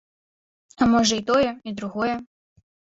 А можа, і тое, і другое.